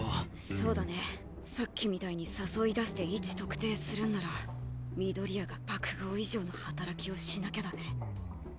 そうだねさっきみたいに誘い出して位置特定するんなら緑谷が爆豪以上の働きをしなきゃだね。